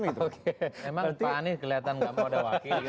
memang pak anies kelihatan nggak mau ada wakil